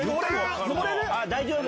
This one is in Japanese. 大丈夫？